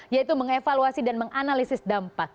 yaitu mengevaluasi dan menganalisis dampak